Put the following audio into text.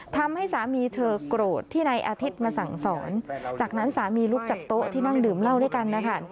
ทำให้สามีเธอโกรธที่นายอาทิตย์มาสั่งสอนจากนั้นสามีลุกจากโต๊ะที่นั่งดื่มเหล้าด้วยกันนะคะ